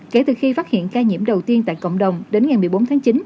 kể từ khi phát hiện ca nhiễm đầu tiên tại cộng đồng đến ngày một mươi bốn tháng chín